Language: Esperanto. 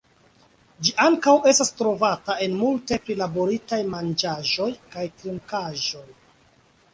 Ĝi ankaŭ estas trovata en multaj prilaboritaj manĝaĵoj kaj trinkaĵoj.